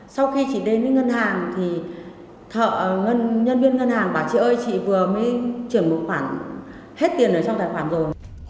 sau khi chị đến với ngân hàng thì thợ nhân viên ngân hàng bảo chị ơi chị vừa mới chuyển một khoản hết tiền ở trong tài khoản rồi